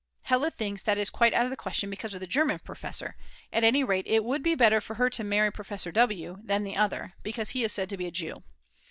Hella thinks that is quite out of the question because of the German professor; at any rate it would be better for her to marry Professor W. than the other, because he is said to be a Jew.